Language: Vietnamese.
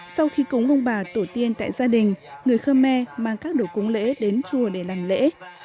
sau khi cúng ông bà tổ tiên tại gia đình người khơ me mang các đồ cúng lễ đến chùa để làm lễ